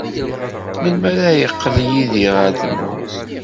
Melmi ara yeqqel Yidir ɣer tmurt?